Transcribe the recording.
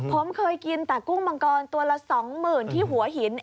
ผมเคยกินแต่กุ้งมังกรตัวละ๒๐๐๐ที่หัวหิน